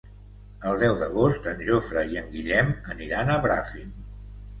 El deu d'agost en Jofre i en Guillem aniran a Bràfim.